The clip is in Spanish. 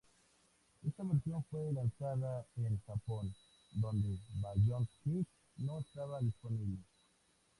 Esta versión fue lanzada en Japón, donde "Balloon Kid" no estaba disponible.